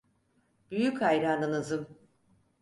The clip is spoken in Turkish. Büyük hayranınızım.